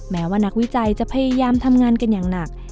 แม้ว่านักวิจัยจะพยายามทำงานกันอย่างหนัก